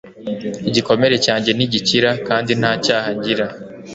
igikomere cyanjye ntigikira, kandi nta cyaha ngira